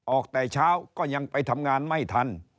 ออกแต่เช้าก็ยังไปทำงานไม่ทัน